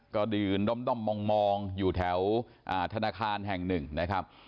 ก็ยืนด้อมมองอยู่แถวธนาคารแห่งหนึ่งนะครับ